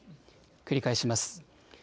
繰り返します。